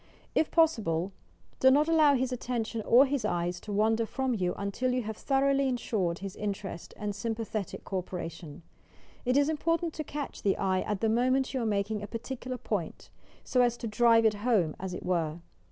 If possible, do not allow his attention or his eyes to wander from you until you have thoroughly insured his interest and sympathetic co operation. It is im portant to eatch the eye at the moment you are making a particular point, so as to "drive it home" as it were.